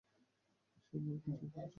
সে আমার কাছে ক্ষমাও চায়নি।